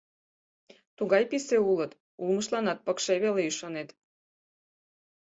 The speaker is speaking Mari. Тугай писе улыт, улмыштланат пыкше веле ӱшанет.